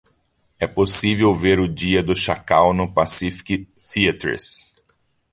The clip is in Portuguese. É possível ver O Dia do Chacal no Pacific Theatres